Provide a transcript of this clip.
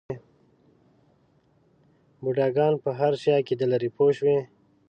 بوډاګان په هر شي عقیده لري پوه شوې!.